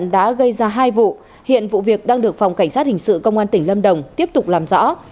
đã gây ra hai vụ hiện vụ việc đang được phòng cảnh sát hình sự công an tỉnh lâm đồng tiếp tục làm rõ